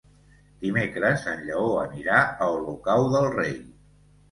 Dimecres en Lleó anirà a Olocau del Rei.